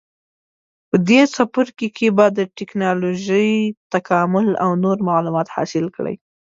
په دې څپرکي کې به د ټېکنالوجۍ تکامل او نور معلومات حاصل کړئ.